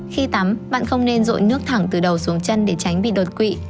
khi tắm bạn không nên rội nước thẳng từ đầu xuống chân để tránh bị đột quỵ